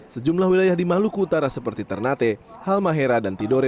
sejumlah wilayah di maluku utara seperti ternate halmahera dan tidore